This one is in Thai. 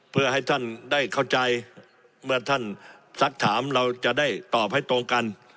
เพื่อให้ท่านได้เข้าใจเมื่อท่านสักถามเราจะได้ตอบให้ตรงกัน